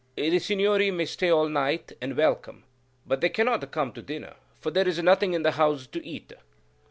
"The Signori may stay all night, and welcome; but they cannot come to dinner, for there is nothing in the house to eat!"